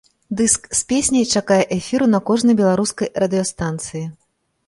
Дыск з песняй чакае эфіру на кожнай беларускай радыёстанцыі.